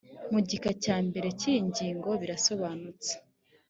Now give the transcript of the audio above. mu gika cya mbere cy iyi ngingo birasobanutse